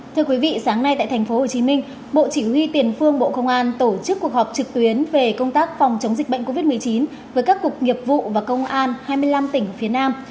thưa quý vị sáng nay tại tp hcm bộ chỉ huy tiền phương bộ công an tổ chức cuộc họp trực tuyến về công tác phòng chống dịch bệnh covid một mươi chín với các cục nghiệp vụ và công an hai mươi năm tỉnh phía nam